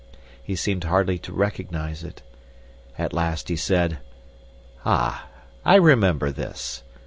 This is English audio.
He seemed hardly to recognize it. At last he said, "Ah, I remember this!